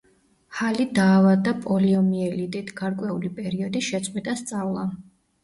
ჰალი დაავადდა პოლიომიელიტით, გარკვეული პერიოდი შეწყვიტა სწავლა.